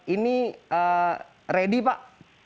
ini ready pak